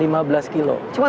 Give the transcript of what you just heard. cuma terasa lebih lama aja kan